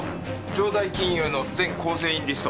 城代金融の全構成員リスト。